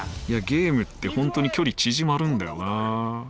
いやゲームってほんとに距離縮まるんだよな。